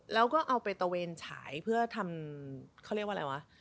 แล้วก็เอาไปตะเวนฉายเพื่อทำเขาเรียกว่าอะไรวะ